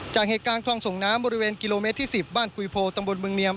จากเหตุการณ์คลองส่งน้ำบริเวณกิโลเมตรที่๑๐บ้านคุยโพตำบลเมืองเนียม